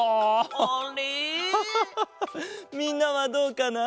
みんなはどうかな？